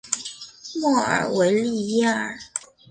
莫尔维利耶尔。